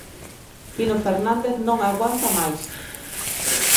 Tino Fernández non aguanta máis.